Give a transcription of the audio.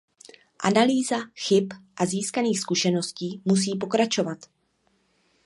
Analýza chyb a získaných zkušeností musí pokračovat.